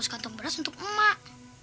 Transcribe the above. sekantong beras untuk emak